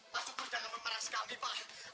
pak syukur jangan memaras kami pak